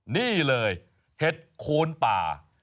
นี่เลยเห็ดโคนป่า